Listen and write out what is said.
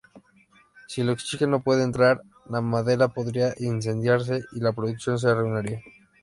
Si el oxígeno puede entrar, la madera podría incendiarse y la producción se arruinaría.